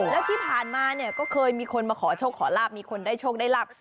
แล้วที่ผ่านมาเนี่ยก็เคยมีคนมาขอโชคขอลาบมีคนได้โชคได้ลาบ